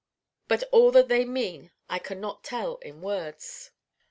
But all that they mean I can not tell in words.